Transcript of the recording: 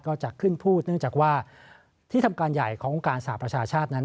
ก็จะขึ้นพูดเนื่องจากว่าที่ทำการใหญ่ขององค์การสหประชาชาตินั้น